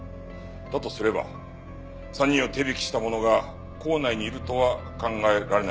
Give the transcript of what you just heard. だとすれば３人を手引きした者が行内にいるとは考えられないでしょうか。